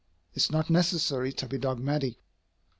It is not necessary to be dogmatic.